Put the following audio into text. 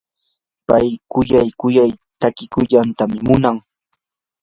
pay quyay quyay takikuyllatam munan.